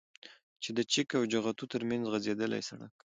چې د چك او جغتو ترمنځ غځېدلى سړك